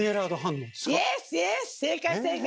正解！